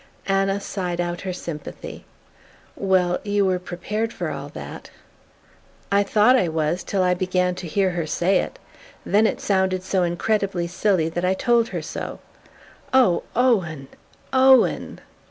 Anna sighed out her sympathy. "Well you were prepared for all that?" "I thought I was, till I began to hear her say it. Then it sounded so incredibly silly that I told her so." "Oh, Owen Owen!"